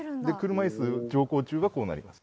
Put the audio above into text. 車椅子乗降中はこうなります。